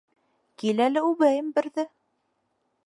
Кил әле үбәйем берҙе!